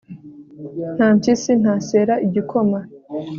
nta mpyisi ntasera igikoma